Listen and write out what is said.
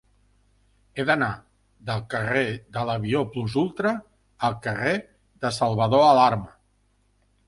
He d'anar del carrer de l'Avió Plus Ultra al carrer de Salvador Alarma.